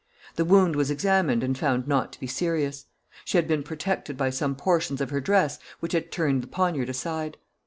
The wound was examined and found not to be serious. She had been protected by some portions of her dress which had turned the poniard aside.